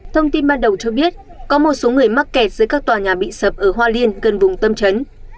thông tin ban đầu cho biết có một số người mắc kẹt giữa các tòa nhà bị sập ở hoa liên gần vùng tâm trấn